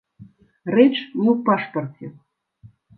Рэч не ў пашпарце.